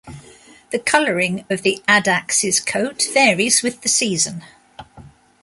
The coloring of the addax's coat varies with the season.